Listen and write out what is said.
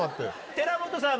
寺本さん